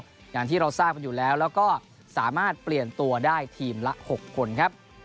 อย่างที่เราทราบกันอยู่แล้วแล้วก็สามารถเปลี่ยนตัวได้ทีมละ๖คนครับ